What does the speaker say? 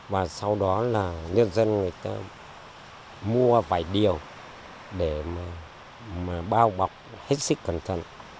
và sau đó là nhân dân người ta mua vải điều để mà bao bọc hết sức cẩn thận